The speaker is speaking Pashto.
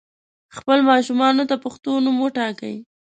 خپل ماشومانو ته پښتو نوم وټاکئ